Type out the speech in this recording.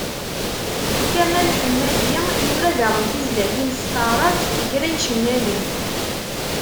Kamal Ḥemmadi yura daɣen tizlatin s taɛrabt i kra icennayen.